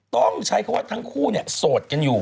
ต้องใช้คำว่าทั้งคู่โสดกันอยู่